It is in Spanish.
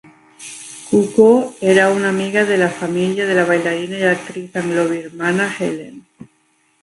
Cuckoo era una amiga de la familia de la bailarina y actriz anglo-birmana Helen.